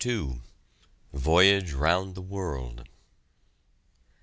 VOYAGE ROUND THE WORLD.